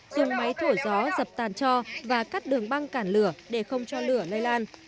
dùng máy thổi gió dập tàn cho và cắt đường băng cản lửa để không cho lửa lây lan